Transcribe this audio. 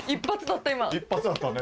一発だったね